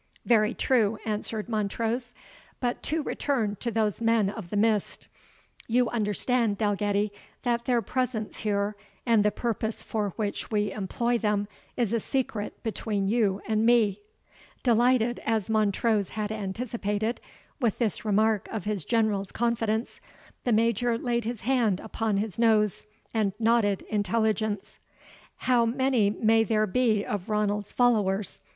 "Very true," answered Montrose; "but to return to those men of the Mist. You understand, Dalgetty, that their presence here, and the purpose for which we employ them, is a secret between you and me?" Delighted, as Montrose had anticipated, with this mark of his General's confidence, the Major laid his hand upon his nose, and nodded intelligence. "How many may there be of Ranald's followers?"